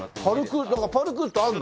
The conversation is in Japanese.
パルクールってあるの？